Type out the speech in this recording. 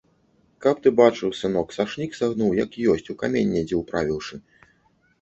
Каб ты бачыў, сынок, сашнік сагнуў як ёсць, у камень недзе ўправіўшы.